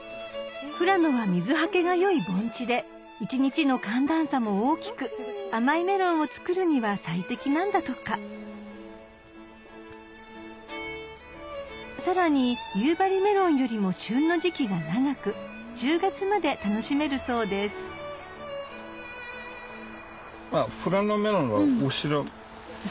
富良野は水はけが良い盆地で一日の寒暖差も大きく甘いメロンを作るには最適なんだとかさらに夕張メロンよりも旬の時期が長く１０月まで楽しめるそうです後ろ？